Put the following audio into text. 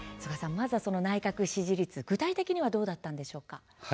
まずはその内閣支持率具体的にはどうだったんでしょうか。